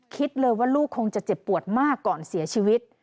คิดเลยว่าลูกคงจะเจ็บปวดมากก่อนเสียชีวิต